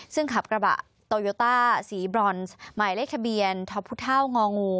ซึ่งขับกระบะโตโยต้าสีบรอนซ์หมายเลขทะเบียนทพงองู